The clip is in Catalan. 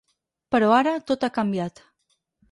Però ara, tot ha canviat.